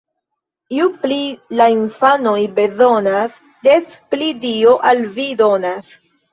Ju pli la infanoj bezonas, des pli Dio al vi donas.